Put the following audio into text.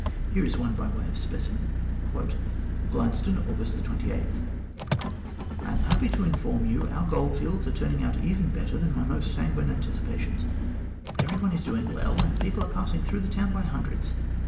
Here is one by way of specimen : "GLADSTONE, August 28. " I am happy to inform you our goklfields are turning out even better than my most sanguine anticipations. Every one is doing well, and people are passing through the town by hundreds.